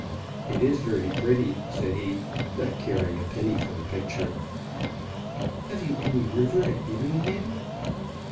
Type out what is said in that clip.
"It is very pretty," said he, not caring a penny for the picture. "Have you any river at Beamingham?"